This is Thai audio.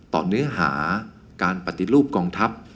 เนื้อหาการปฏิรูปกองทัพ